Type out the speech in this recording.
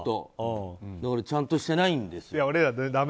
だからちゃんとしてないんですよ